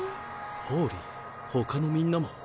ホーリィ他のみんなも。